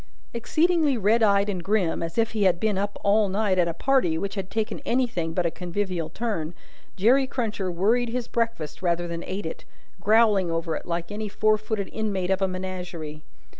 Exceedingly red eyed and grim, as if he had been up all night at a party which had taken anything but a convivial turn, Jerry Cruncher worried his breakfast rather than ate it, growling over it like any four footed inmate of a menagerie.